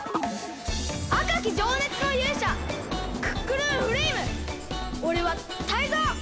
あかきじょうねつのゆうしゃクックルンフレイムおれはタイゾウ！